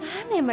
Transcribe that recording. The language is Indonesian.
tika didi abdul